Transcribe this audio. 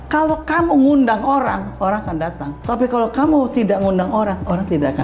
kalau kamu ngundang orang orang akan datang tapi kalau kamu tidak ngundang orang orang tidak akan